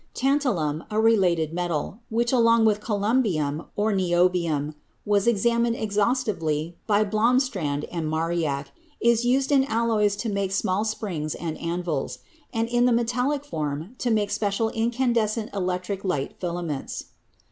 Tan talum, a related metal, which, along with columbium, or niobium, was examined exhaustively by Blomstrand and Marignac, is used in alloys to make small springs and anvils, and in the metallic form to make special incan descent electric light filaments.